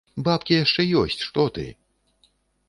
Бабкі яшчэ ёсць, што ты!